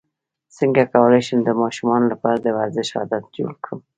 څنګه کولی شم د ماشومانو لپاره د ورزش عادت جوړ کړم